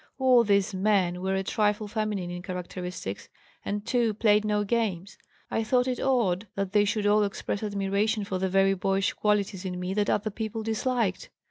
All these men were a trifle feminine in characteristics, and two played no games. I thought it odd that they should all express admiration for the very boyish qualities in me that other people disliked.